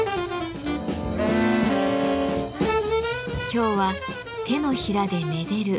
今日は手のひらでめでる